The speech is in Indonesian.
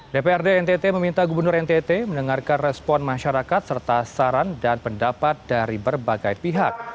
dprd ntt meminta gubernur ntt mendengarkan respon masyarakat serta saran dan pendapat dari berbagai pihak